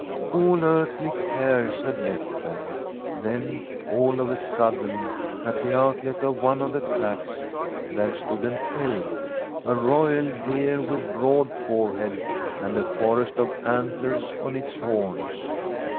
All earthly cares had left them. Then, all of a sudden, at the outlet of one of the tracks, there stood an elk, a royal deer with broad forehead and a forest of antlers on its horns.